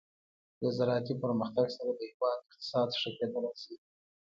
د زراعتي پرمختګ سره د هیواد اقتصاد ښه کیدلی شي.